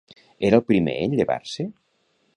Era el primer en llevar-se?